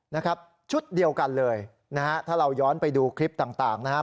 นะครับชุดเดียวกันเลยนะฮะถ้าเราย้อนไปดูคลิปต่างนะครับ